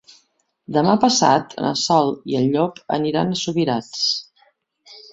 Demà passat na Sol i en Llop aniran a Subirats.